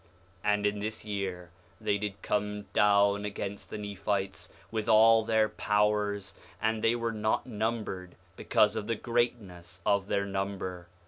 4:17 And in this year they did come down against the Nephites with all their powers; and they were not numbered because of the greatness of their number.